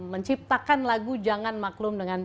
menciptakan lagu jangan maklum dengan